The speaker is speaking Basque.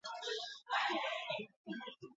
Aitak erran ote dizu, garaian, zutaz harro zela?